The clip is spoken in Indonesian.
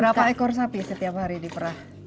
berapa ekor sapi setiap hari diperah